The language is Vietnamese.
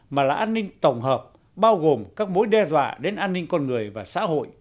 mà là an ninh tổng hợp bao gồm các mối đe dọa đến an ninh con người và xã hội